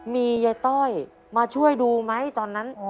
มียายต้อยมาช่วยดูไหมตอนนั้น